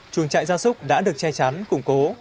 chuồng chạy gia súc đã được che cháo